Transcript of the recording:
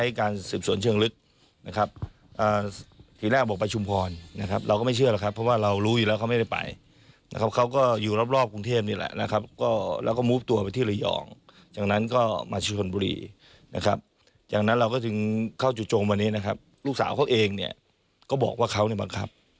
อยู่โจมวันนี้นะครับลูกสาวเขาเองเนี่ยก็บอกว่าเขาไม่บังคับ